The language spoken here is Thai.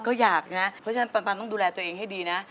ก็อยากนะเพราะฉะนั้นปันต้องดูแลตัวเองให้ดีนะ